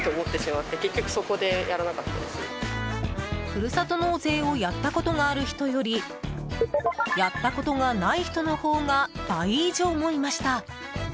ふるさと納税をやったことがある人よりやったことがない人のほうが倍以上もいました。